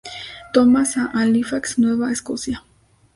Thomas a Halifax, Nueva Escocia.